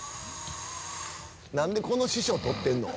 何でこの師匠を撮ってんの？